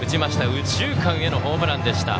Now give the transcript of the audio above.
右中間へのホームランでした。